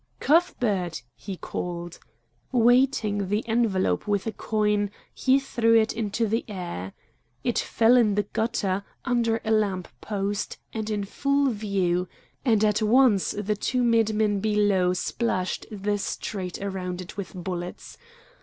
"Cuthbert!" he called. Weighting the envelope with a coin, he threw it into the air. It fell in the gutter, under a lamp post, and full in view, and at once the two madmen below splashed the street around it with bullets.